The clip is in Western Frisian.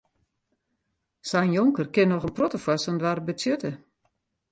Sa'n jonker kin noch in protte foar sa'n doarp betsjutte.